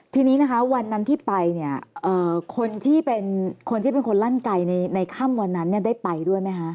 ทีนี้วันนั้นที่ไปคนที่เป็นคนลั่นไก่ในค่ำวันนั้นได้ไปด้วยไหมคะ